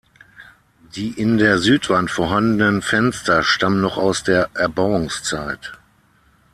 Die in der Südwand vorhandenen Fenster stammen noch aus der Erbauungszeit.